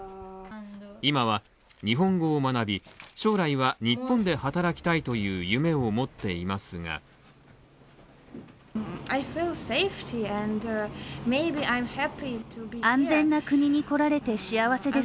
今は日本語を学び、将来は日本で働きたいという夢を持っていますが続いてのニュースです。